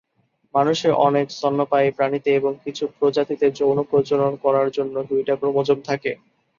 মানুষে, অনেক স্তন্যপায়ী প্রাণীতে এবং কিছু প্রজাতিতে যৌন প্রজনন করার জন্য দুইটা ক্রোমোজোম থাকে।